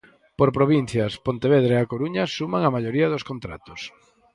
Por provincias, Pontevedra e A Coruña suman a maioría dos contratos.